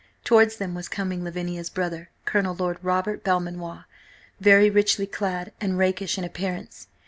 Towards them was coming Lavinia's brother–Colonel Lord Robert Belmanoir–very richly clad and rakish in appearance.